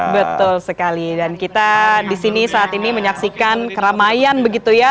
betul sekali dan kita di sini saat ini menyaksikan keramaian begitu ya